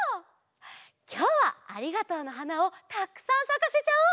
きょうは「ありがとうの花」をたくさんさかせちゃおう！